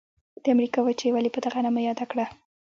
د امریکا وچه یې ولي په دغه نامه یاده کړه؟